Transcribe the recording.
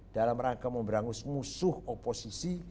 dalam rangka memberangus musuh oposisi